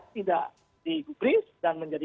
tidak digubris dan menjadi